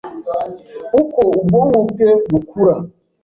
uko ubwonko bwe bukura